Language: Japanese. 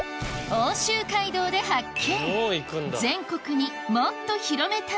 奥州街道で発見！